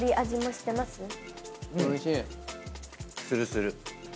するする。